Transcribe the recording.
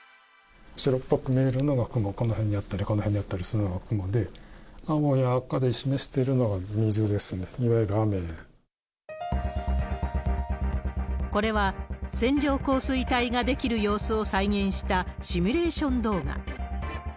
白っぽく見えるのが雲、この辺にあったり、この辺にあったりするのが雲で、青や赤で示しているのが水ですね、これは、線状降水帯が出来る様子を再現したシミュレーション動画。